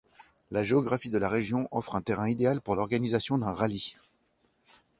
La géographie de la région offre un terrain idéal pour l'organisation d'un rallye.